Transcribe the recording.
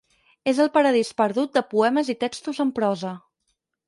És el paradís perdut de poemes i textos en prosa.